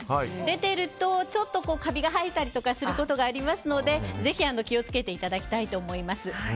出ていると、ちょっとカビが生えたりすることがありますのでぜひ気を付けていただきたいと思います。